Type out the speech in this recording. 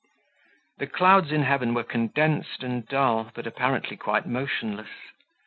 The clouds in heaven were condensed and dull, but apparently quite motionless.